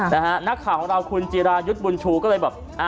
นักข่าวของเราคุณจิรายุทธ์บุญชูก็เลยแบบ